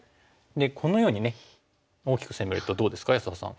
でこのように大きく攻めるとどうですか安田さん。